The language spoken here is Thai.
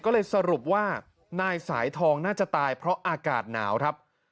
ก็เลยสรุปว่านายสายทองน่าจะตายเพราะอากาศหนาวครับ